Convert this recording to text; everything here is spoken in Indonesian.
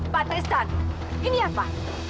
pak tristan ini apa